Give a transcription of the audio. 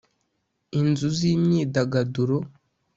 inzu z’imyidagaduro